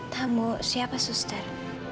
tamu siapa suster